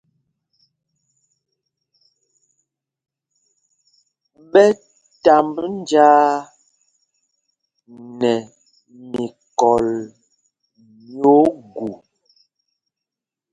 Ɓɛ tāmb njāā nɛ mikɔl mí ogu.